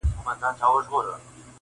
• څو شېبو هوښیاری سره ساه ورکړي -